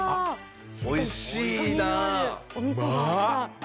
おいしいな！